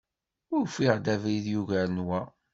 Ufiɣ-d abrid yugaren wa.